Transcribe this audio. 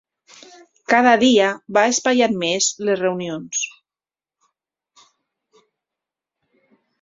Cada dia va espaiant més les reunions.